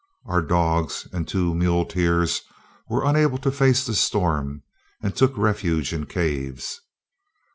Our dogs and two muleteers were unable to face the storm, and took refuge in caves.